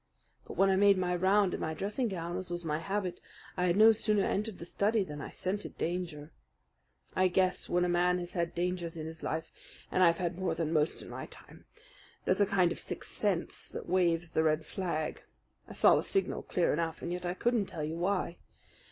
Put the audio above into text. But when I made my round in my dressing gown, as was my habit, I had no sooner entered the study than I scented danger. I guess when a man has had dangers in his life and I've had more than most in my time there is a kind of sixth sense that waves the red flag. I saw the signal clear enough, and yet I couldn't tell you why.